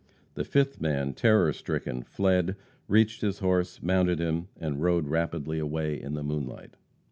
The fifth man, terror stricken, fled, reached his horse, mounted him, and rode rapidly away in the moonlight.